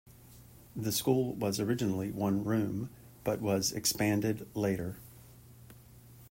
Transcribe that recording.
The school was originally one room, but was expanded later.